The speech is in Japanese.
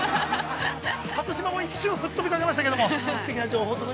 ◆初島も一瞬吹っ飛びかけましたけど、すてきな情報を。